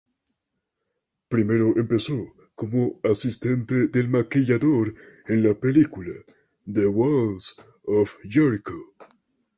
Primero empezó como asistente del maquillador en la película "The Walls of Jericho.